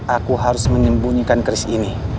aku harus menembunyikan kris ini